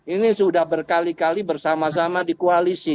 ini sudah berkali kali bersama sama di koalisi